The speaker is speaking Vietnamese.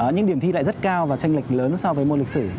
những điểm thi lại rất cao và tranh lệch lớn so với môn lịch sử